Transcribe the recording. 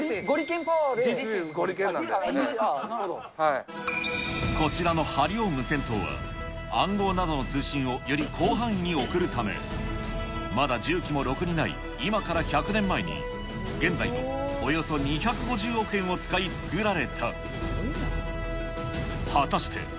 Ｔｈｉｓｉｓゴリけんなこちらの針尾無線塔は、暗号などの通信をより広範囲に送るため、まだ重機もろくにない今から１００年前に、現在のおよそ２５０億円を使い、作られた。